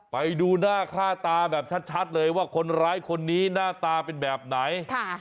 ไปดูหน้าค่าตาแบบชัดเลยว่าคนร้ายคนนี้หน้าตาเป็นแบบไหน